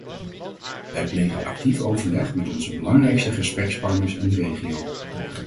Wij plegen actief overleg met onze belangrijkste gesprekspartners in de regio.